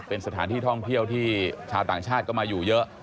เป็นสถานที่ท่องเที่ยวที่ชาวต่างชาติก็มาอยู่เยอะ